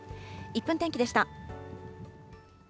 １分天気でした。